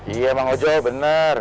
iya emang ojo bener